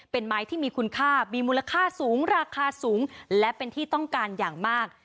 เป็นไม้ที่มีคุณค่ามีมูลค่าสูงราคาสูงและเป็นที่ต้องการอย่างมาก